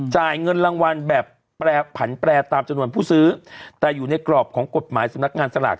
จ่ายเงินรางวัลแบบแปรผันแปรตามจำนวนผู้ซื้อแต่อยู่ในกรอบของกฎหมายสำนักงานสลาก